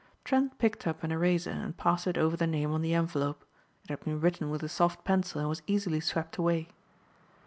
Trent picked up an eraser and passed it over the name on the envelope. It had been written with a soft pencil and was easily swept away.